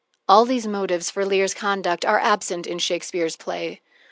All these motives for Lear's conduct are absent in Shakespeare's play.